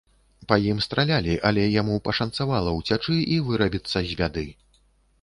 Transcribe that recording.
Па ім стралялі, але яму пашанцавала ўцячы і вырабіцца з бяды.